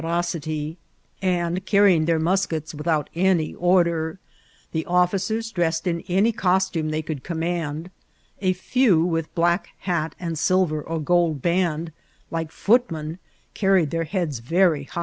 forocity, and oarrying their muskets without any order ; the officers dressed in any costume they could com mand ; a few, with Mack hat and sUver ot gold band, like footmehi carried their heads Tery hi^.